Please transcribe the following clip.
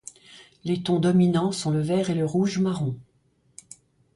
Les tons dominants sont le vert et le rouge-marron.